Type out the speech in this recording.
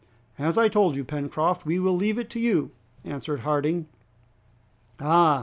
"As I told you, Pencroft, we will leave it to you," answered Harding. "Ah!"